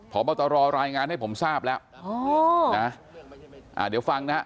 พบรรายงานให้ผมทราบแล้วเดี๋ยวฟังนะฮะ